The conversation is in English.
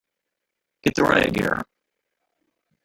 Get the riot gear!